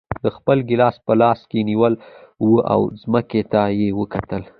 ده خپل ګیلاس په لاس کې نیولی و او ځمکې ته یې کتل.